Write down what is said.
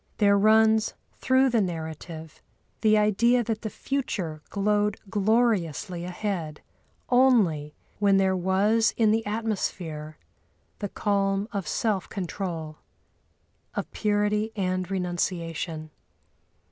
There runs through the narrative the idea that the future glowed gloriously ahead only when there was in the atmosphere the calm of self control, of purity and renunciation.